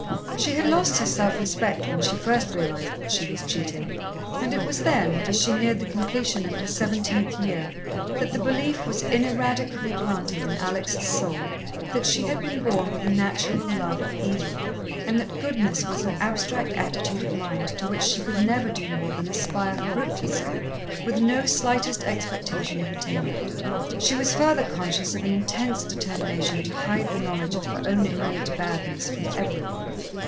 She had lost her self respect when she first realized that she was cheating, and it was then, as she neared the completion of her seventeenth year, that the belief was ineradicably planted in Alex' soul that she had been born with a natural love of evil, and that goodness was an abstract attitude of mind to which she could never do more than aspire fruitlessly, with no slightest expectation of attainment. She was further conscious of an intense determination to hide the knowledge of her own innate badness from every one.